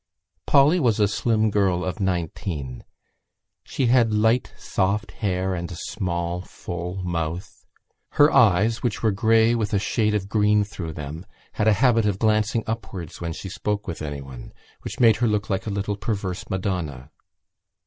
_ Polly was a slim girl of nineteen; she had light soft hair and a small full mouth. Her eyes, which were grey with a shade of green through them, had a habit of glancing upwards when she spoke with anyone, which made her look like a little perverse madonna.